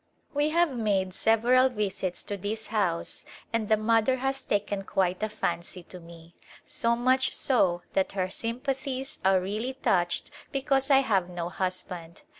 We have made several visits to this house and the mother has taken quite a fancy to me, so much so that her sympathies are really touched because I have no husband.